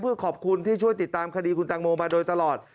เพื่อขอบคุณที่ช่วยติดตามคดีคุณตังโมมาโดยตลอด